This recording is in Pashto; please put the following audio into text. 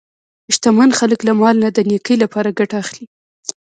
شتمن خلک له مال نه د نیکۍ لپاره ګټه اخلي.